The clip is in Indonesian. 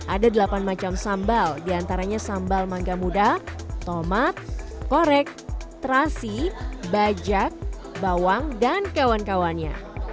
ada delapan macam sambal diantaranya sambal mangga muda tomat korek terasi bajak bawang dan kawan kawannya